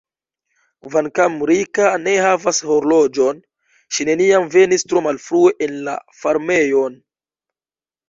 Kvankam Rika ne havas horloĝon, ŝi neniam venis tro malfrue en la farmejon.